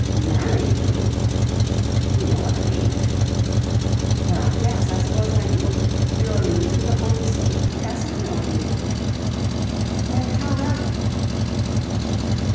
"Marry you!" "You know what I mean." "Well, yes, I suppose I do. You allude to the holy state. Yes, I know what you mean." "Then how about it?"